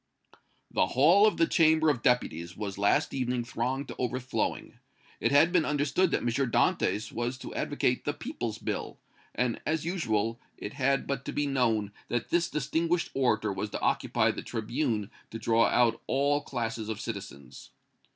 "THE HALL OF THE CHAMBER OF DEPUTIES was last evening thronged to overflowing. It had been understood that M. Dantès was to advocate the People's Bill, and, as usual, it had but to be known that this distinguished orator was to occupy the tribune to draw out all classes of citizens.